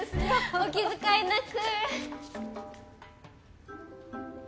お気遣いなく！